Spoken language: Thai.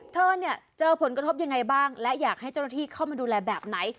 เธอเนี่ยเจอผลกระทบยังไงบ้างและอยากให้เจ้าหน้าที่เข้ามาดูแลแบบไหน